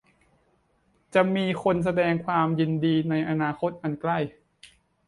จะมีคนแสดงความยินดีในอนาคตอันใกล้